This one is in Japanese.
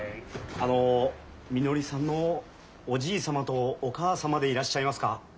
あのみのりさんのおじい様とお母様でいらっしゃいますか？